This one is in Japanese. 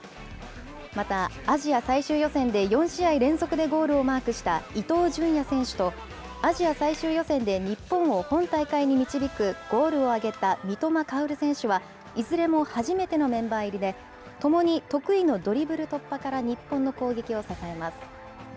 またアジア最終予選で、４試合連続でゴールをマークした伊東純也選手とアジア最終予選で日本を本大会に導くゴールを挙げた三笘薫選手は、いずれも初めてのメンバー入りで共に得意のドリブル突破から、日本の攻撃を支えます。